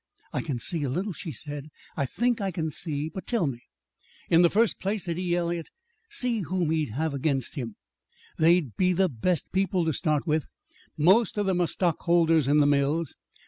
"I can see a little," she said. "I think I can see. But tell me." "In the first place," said E. Eliot, "see whom he'd have against him. There'd be the best people, to start with. Most of them are stockholders in the mills.